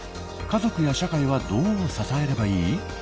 家族や社会はどう支えればいい？